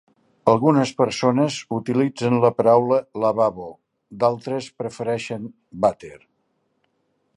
Algunes persones utilitzen la paraula lavabo, d'altres prefereixen vàter.